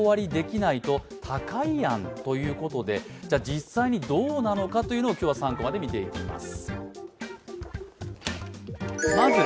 実際にどうなのかというのを今日は３コマで見ていきます。